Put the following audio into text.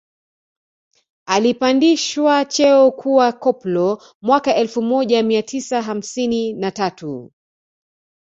Alipandishwa cheo kuwa koplo mwaka elfu moja mia tisa hamsini na tatu